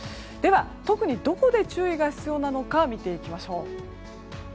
特にどこで注意が必要なのか見ていきましょう。